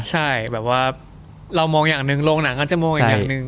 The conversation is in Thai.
ใช่แบบว่าเรามองอย่างหนึ่งโรงหนังอาจจะมองอีกอย่างหนึ่ง